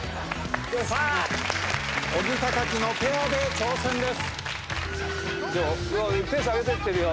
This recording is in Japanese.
さあ小木・木のペアで挑戦です。